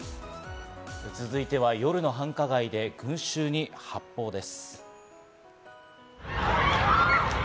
続いては夜の繁華街で群衆に発砲です。